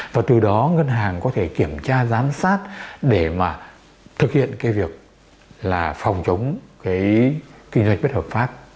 và từ đó ngân hàng có thể kiểm tra giám sát để thực hiện việc phòng chống kinh doanh bất hợp pháp